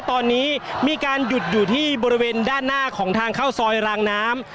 ตอนนี้มีการหยุดอยู่ที่บริเวณด้านหน้าของทางเข้าซอยรางน้ำ